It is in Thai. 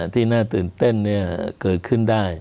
ที่น่าตื่นเต้นเกิดขึ้นได้